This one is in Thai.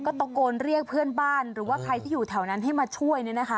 ก็ตะโกนเรียกเพื่อนบ้านหรือว่าใครที่อยู่แถวนั้นให้มาช่วย